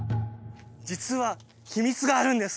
実は秘密があるんです！